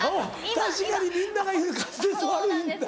確かにみんなが言う滑舌悪いんだ。